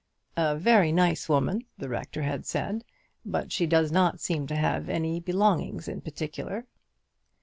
"A very nice woman," the rector had said; "but she does not seem to have any belongings in particular."